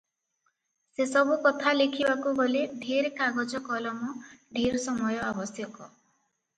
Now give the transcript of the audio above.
ସେ ସବୁ କଥା ଲେଖିବାକୁ ଗଲେ ଢେର କାଗଜ କଲମ, ଢେର ସମୟ ଆବଶ୍ୟକ